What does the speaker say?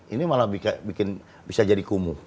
ini malah bisa jadi kumuh